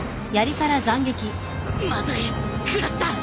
まずい食らった！